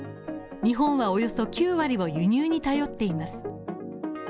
日本はおよそ９割を輸入に頼っています。